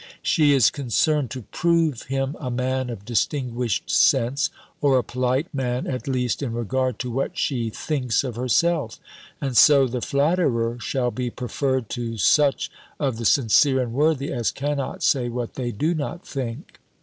She is concerned to prove him a man of distinguished sense, or a polite man, at least, in regard to what she thinks of herself; and so the flatterer shall be preferred to such of the sincere and worthy, as cannot say what they do not think.